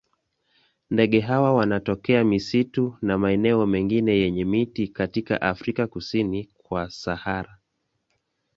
Ndege hawa wanatokea misitu na maeneo mengine yenye miti katika Afrika kusini kwa Sahara.